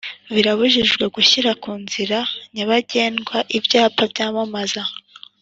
Birabujijwe gushyira ku nzira nyabagendwa ibyapa byamamaza